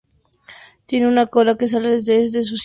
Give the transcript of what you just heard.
Tiene una cola que sale desde su cintura hacia atrás.